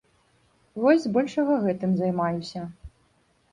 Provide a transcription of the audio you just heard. Вось збольшага гэтым займаюся.